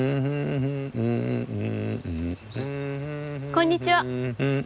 こんにちは。